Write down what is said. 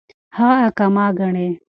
هغه اقامه كړي .